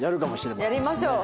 やりましょう。